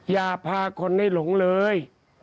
อย่าพาคนได้หลงเลย